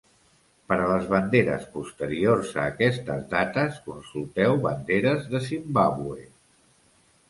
Per a les banderes posteriors a aquestes dates, consulteu Banderes de Zimbàbue.